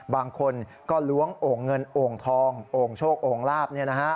บางคนก็ล้วงโอ่งเงินโอ่งทองโอ่งโชคโอ่งลาบ